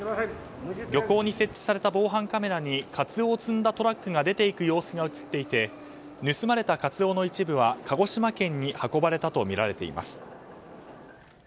漁港に設置された防犯カメラにカツオを積んだトラックが出て行く様子が映っていて盗まれたカツオの一部は鹿児島県に運ばれたとみられています。